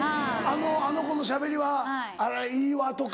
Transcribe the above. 「あの子のしゃべりはいいわ」とか。